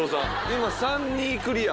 今３２クリア。